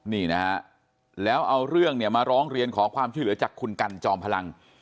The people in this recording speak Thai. นี่นะฮะแล้วเอาเรื่องเนี่ยมาร้องเรียนขอความช่วยเหลือจากคุณกันจอมพลัง